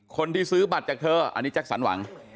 คนที่ซื้อบัตรจากเธออันนี้แจ็คสันหวัง